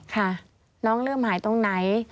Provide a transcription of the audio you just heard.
ค่ะน้องเริ่มหายตรงไหน